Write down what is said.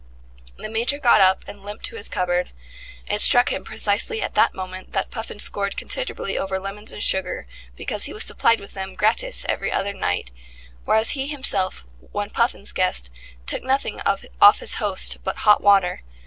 The Major got up and limped to his cupboard. It struck him precisely at that moment that Puffin scored considerably over lemons and sugar, because he was supplied with them gratis every other night; whereas he himself, when Puffin's guest, took nothing off his host but hot water.